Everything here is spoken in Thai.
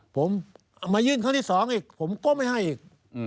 ผมมายื่นครั้งที่๒อีกผมก็ไม่ให้อีก